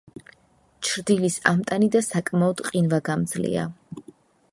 ჩრდილის ამტანი და საკმაოდ ყინვაგამძლეა.